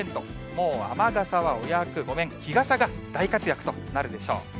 もう雨傘はお役御免、日傘が大活躍となるでしょう。